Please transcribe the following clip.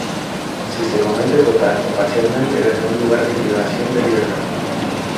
Si se comete total o parcialmente desde un lugar de privación de libertad.